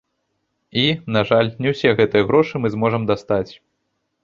І, на жаль, не ўсе гэтыя грошы мы зможам дастаць.